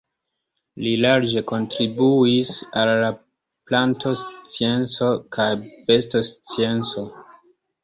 Li larĝe kontribuis al la plantoscienco kaj bestoscienco.